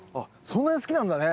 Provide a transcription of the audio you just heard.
そんなに好きなんだね。